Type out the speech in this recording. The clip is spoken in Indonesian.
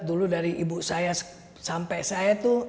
dulu dari ibu saya sampai saya tuh